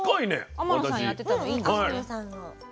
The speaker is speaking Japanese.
天野さんやってたのいいんですね。